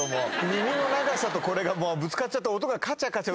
耳の長さとこれがもうぶつかっちゃって音がカチャカチャ。